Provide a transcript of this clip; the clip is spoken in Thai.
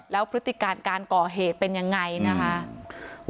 แล้วพฤติการการก่อเหตุเป็นยังไงนะคะ